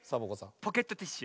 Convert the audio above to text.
ポケットティッシュ。